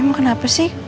em kenapa sih